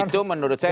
nah itu menurut saya